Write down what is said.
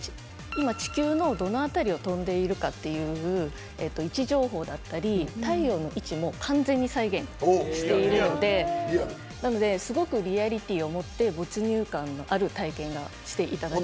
今、地球のどの辺りを飛んでいるかという位置情報だったり太陽の位置も完全に再現しているのでリアリティーを持って没入感のある体験をしていただける。